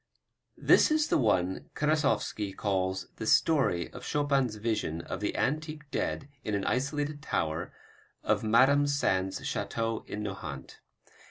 This is the one Karasowski calls the story of Chopin's vision of the antique dead in an isolated tower of Madame Sand's chateau at Nohant.